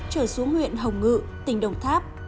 trở xuống huyện hồng ngự tỉnh đồng tháp